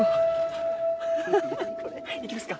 行きますか？